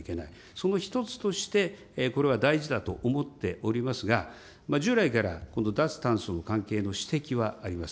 その１つとしてこれは大事だと思っておりますが、従来から、脱炭素の関係の指摘はあります。